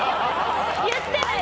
言ってない。